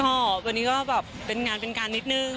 ก็วันนี้ก็แบบเป็นงานเป็นการนิดนึง